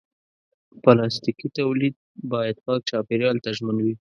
پلاستيکي تولید باید پاک چاپېریال ته ژمن وي.